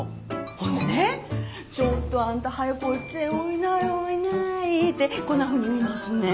ほんでね「ちょっとあんた早こっちへおいないおいない」ってこんなふうに言いますねん。